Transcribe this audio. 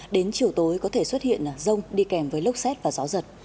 đến chiều tối có thể xuất hiện rông đi kèm với lốc xét và gió giật